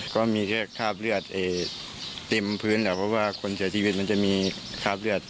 ก็มีแค่คราบเลือดเต็มพื้นเพราะว่าคนเสียชีวิตมันจะมีคราบเลือด